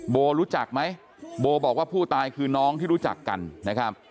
โบรู้จักไหมโบบอกว่าผู้ตายคือน้องที่รู้จักกันนะครับ